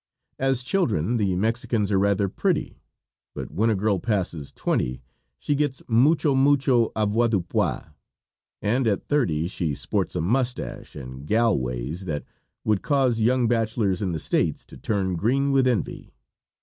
As children, the Mexicans are rather pretty; but when a girl passes twenty she gets "mucho mucho" avoirdupois, and at thirty she sports a mustache and "galways" that would cause young bachelors in the States to turn green with envy.